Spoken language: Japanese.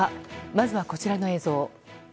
まずはこちらの映像。